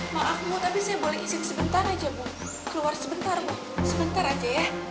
maaf tapi saya boleh isin sebentar aja bu keluar sebentar bu sebentar aja ya